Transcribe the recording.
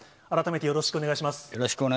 よろしくお願いします。